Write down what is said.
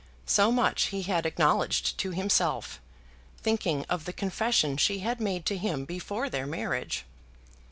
So much he had acknowledged to himself, thinking of the confession she had made to him before their marriage.